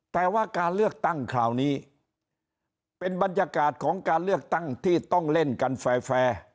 แต่ว่าการเลือกตั้งคราวนี้เป็นบรรยากาศของการเลือกตั้งที่ต้องเล่นกันแฟร์